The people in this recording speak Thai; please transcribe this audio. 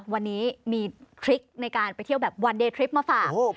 วันนี้มีคลิกในการไปเที่ยวแบบวันเดย์ทริปมาฝาก